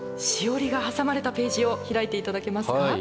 しおりが挟まれたページを開いていただけますか？